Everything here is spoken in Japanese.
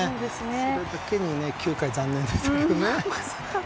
それだけに９回は残念でしたけどね。